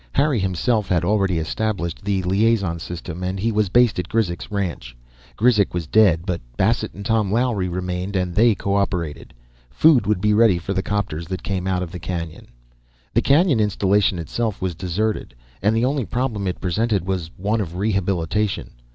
Harry himself had already established the liaison system, and he was based at Grizek's ranch. Grizek was dead, but Bassett and Tom Lowery remained and they cooperated. Food would be ready for the 'copters that came out of the canyon. The canyon installation itself was deserted, and the only problem it presented was one of rehabilitation.